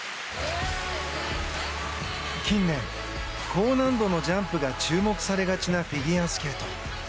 近年、高難度のジャンプが注目されがちなフィギュアスケート。